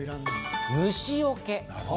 虫よけ。